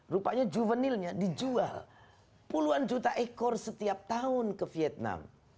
rupanya juvenilnya dijual puluhan juta ekor setiap tahun ke vietnam